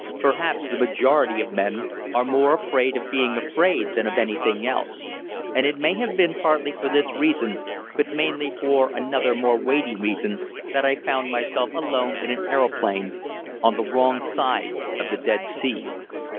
Perhaps the majority of men are more afraid of being afraid than of anything else and it may have been partly for this reason, but mainly for another more weighty reason, that I found myself alone in an aeroplane on the wrong side of the Dead Sea.